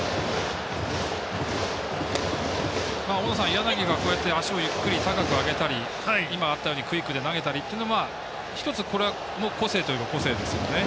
柳が、こうやって足をゆっくり高く上げたりクイックで投げたりというのは１つ、これは個性といえば個性ですよね。